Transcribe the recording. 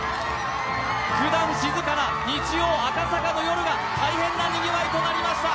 ふだん静かな日曜、赤坂の夜が、大変なにぎわいとなりました。